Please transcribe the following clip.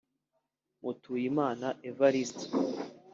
Mutuyimana Evariste